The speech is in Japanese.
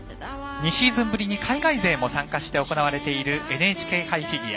２シーズンぶりに海外勢も参加して行われているＮＨＫ杯フィギュア。